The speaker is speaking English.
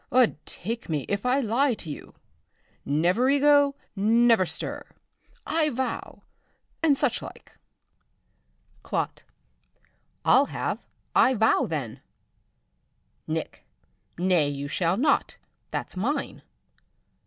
'Ud take me! if I lie to you. Nev'rigo! nev'rstir! I vow! and such like. "Clot. I'll have I vow, then. "Nick. Nay, but you shall not, that's mine.